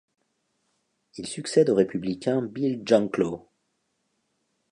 Il succède au républicain Bill Janklow.